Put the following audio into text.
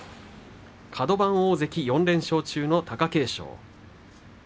カド番大関４連勝中の貴景勝。